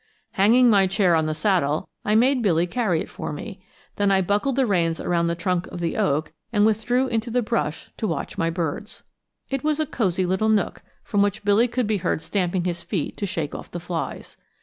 Hanging my chair on the saddle, I made Billy carry it for me; then I buckled the reins around the trunk of the oak and withdrew into the brush to watch my birds. It was a cozy little nook, from which Billy could be heard stamping his feet to shake off the flies.